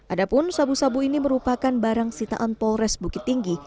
adapun sabu sabu ini merupakan barang sitaan polres bukit tinggi